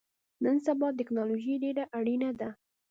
نن سبا ټکنالوژی ډیره اړینه ده